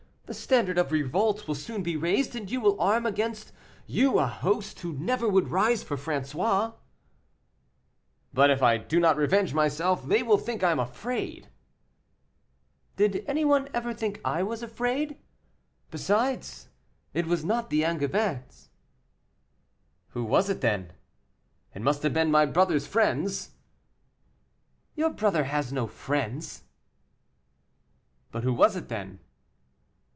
The standard of revolt will soon be raised; and you will arm against you a host who never would rise for François." "But if I do not revenge myself they will think I am afraid." "Did any one ever think I was afraid? Besides, it was not the Angevins." "Who was it then? it must have been my brother's friends." "Your brother has no friends." "But who was it then?"